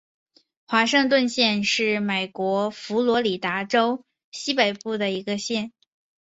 华盛顿县是美国佛罗里达州西北部的一个县。